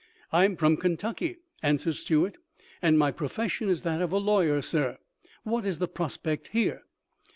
"I'm from Kentucky," answered Stuart, "and my profession is that of a lawyer, sir. What is the prospect here?"